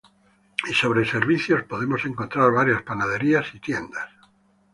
Y sobre servicios, podemos encontrar varias panaderías y tiendas.